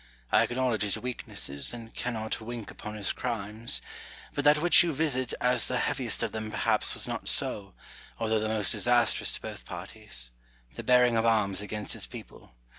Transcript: I acknowledge his weaknesses, and cannot wink upon his crimes : but that which you visit as the heaviest of them perhaps was not so, although the most disastrous to both parties — the beai'ing of arms against his people.